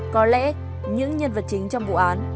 có lẽ những nhân vật chính trong vụ án